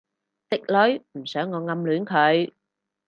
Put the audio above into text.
直女唔想我暗戀佢